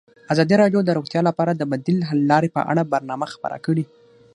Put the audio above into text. ازادي راډیو د روغتیا لپاره د بدیل حل لارې په اړه برنامه خپاره کړې.